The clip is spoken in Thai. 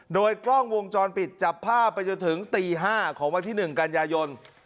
โดยกล้องวงจรปิดจับภาพไปจนถึงตี๕ของวันที่๑กันยายน